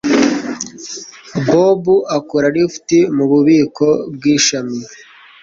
Bob akora lift mu bubiko bw'ishami.